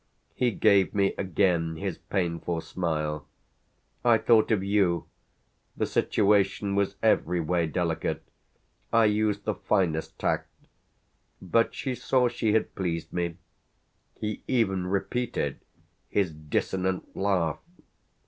He gave me again his painful smile. "I thought of you. The situation was every way delicate. I used the finest tact. But she saw she had pleased me." He even repeated his dissonant laugh.